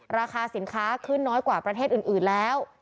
ราคาสินค้าขึ้นน้อยกว่าประเทศอื่นแล้ว